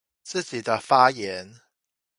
自己的發言